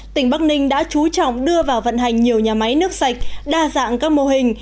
tỉnh bắc ninh đã chú trọng đưa vào vận hành nhiều nhà máy nước sạch đa dạng các mô hình